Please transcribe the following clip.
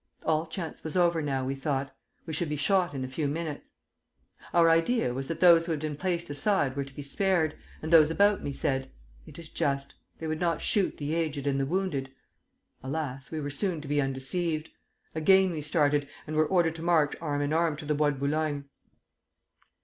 All chance was over now, we thought; we should be shot in a few minutes. Our idea was that those who had been placed aside were to be spared, and those about me said: 'It is just. They would not shoot the aged and the wounded!' Alas! we were soon to be undeceived. Again we started, and were ordered to march arm in arm to the Bois de Boulogne.